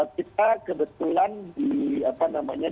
kita kebetulan di apa namanya